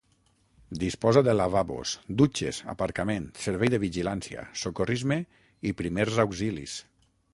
Disposa de lavabos, dutxes, aparcament, servei de vigilància, socorrisme i primers auxilis.